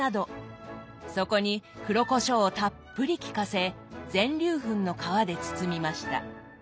そこに黒こしょうをたっぷり効かせ全粒粉の皮で包みました。